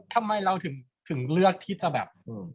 ทำไมเราถึงเลือกที่จะแบบ